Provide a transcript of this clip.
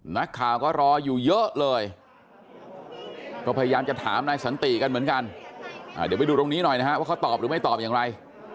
นักข่าวก็รออยู่เยอะเลยก็พยายามจะถามนายสันติกันเหมือนกันเดี๋ยวไปดูตรงนี้หน่อยนะฮะว่าเขาตอบหรือไม่ตอบอย่างไร